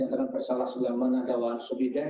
yang telah bersalah sebagai managawan solidar